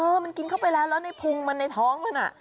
มันกินเข้าไปแล้วแล้วในพุงมันในท้องมัน